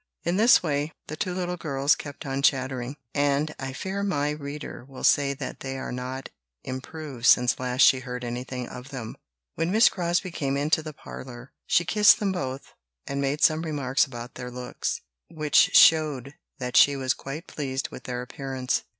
In this way the two little girls kept on chattering; and I fear my reader will say that they are not improved since last she heard anything of them. When Miss Crosbie came into the parlour, she kissed them both, and made some remarks upon their looks, which showed that she was quite pleased with their appearance.